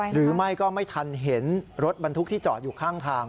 หรือไม่ก็ไม่ทันเห็นรถบรรทุกที่จอดอยู่ข้างทาง